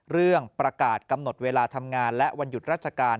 เรื่องประกาศกำหนดเวลาทำงานและวันหยุดราชการ